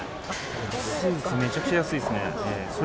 安いです、めちゃくちゃ安いですね。